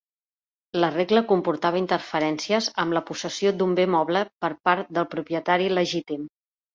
La regla comportava interferències amb la possessió d'un bé moble per part del propietari legítim.